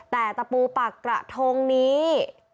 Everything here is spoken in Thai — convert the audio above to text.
แต่ตะปูปากกระทงนี้